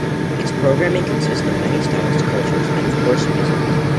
Its programing consists of many styles, cultures and of course music.